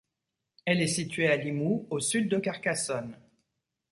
Elle est située à Limoux, au sud de Carcassonne.